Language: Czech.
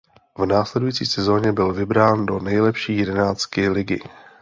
V následující sezoně byl vybrán do nejlepší jedenáctky ligy.